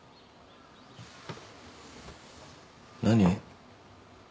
何？